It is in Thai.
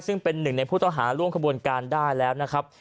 ซึ่งเป็นหนึ่งในผู้ต้องหาร่วมขบวนการได้แล้วนะครับ